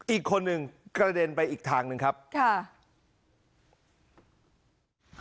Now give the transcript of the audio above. อีกคนนึงกระเด็นไปอีกทางหนึ่งครับค่ะ